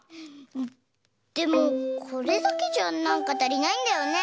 でもこれだけじゃなんかたりないんだよね。